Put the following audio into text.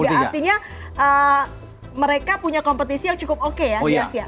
artinya mereka punya kompetisi yang cukup oke ya di asia